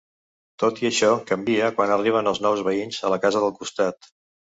Tot i això canvia quan arriben uns nous veïns a la casa del costat.